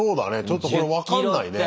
ちょっとこれ分かんないね。